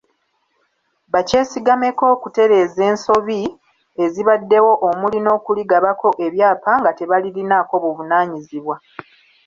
Bakyesigameko okutereeza ensobi ezibaddewo omuli n’okuligabako ebyapa nga tebalirinaako buvunaanyizibwa.